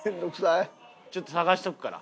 ちょっと探しとくから。